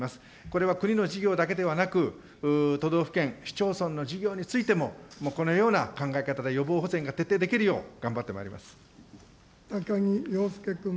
これは国の事業だけではなく、都道府県、市町村の事業についてもこのような考え方で、予防保全が徹底できるよう、頑張ってまいり高木陽介君。